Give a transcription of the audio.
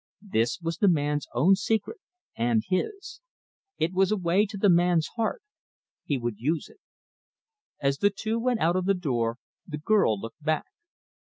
This was the man's own secret and his. It was a way to the man's heart; he would use it. As the two went out of the door, the girl looked back.